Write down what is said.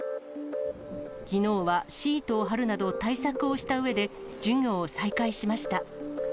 きのうはシートを貼るなど、対策をしたうえで、授業を再開しました。